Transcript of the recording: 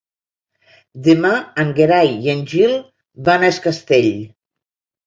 Demà en Gerai i en Gil van a Es Castell.